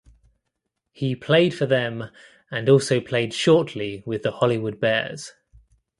He played for them and also played shortly with the Hollywood Bears.